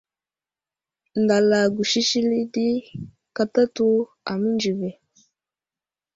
Ndala gusisili di katatu amənzi ve.